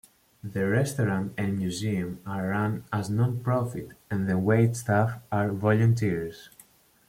The restaurant and museum are run as a non-profit and the waitstaff are volunteers.